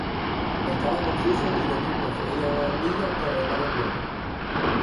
Estaba confuso y lo mismo freía una bombilla, que arreglaba un huevo.